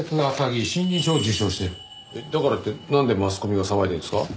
だからってなんでマスコミが騒いでるんですか？